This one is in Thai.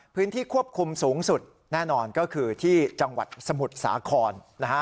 พื้นที่ควบคุมสูงสุดแน่นอนก็คือที่จังหวัดสมุทรสาครนะฮะ